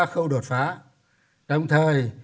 câu đột phá đồng thời